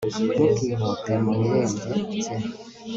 ntukihute mu birenge bye